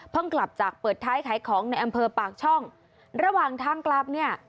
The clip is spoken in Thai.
กลับจากเปิดท้ายขายของในอำเภอปากช่องระหว่างทางกลับเนี่ย